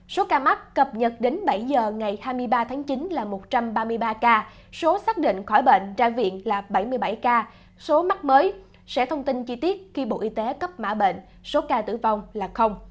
lượt đến bảy h ngày hai mươi ba chín là một trăm ba mươi ba ca số xác định khỏi bệnh ra viện là bảy mươi bảy ca số mắc mới sẽ thông tin chi tiết khi bộ y tế cấp mã bệnh số ca tử vong là